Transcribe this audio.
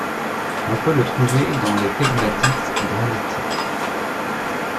On peut le trouver dans les pegmatites granitiques.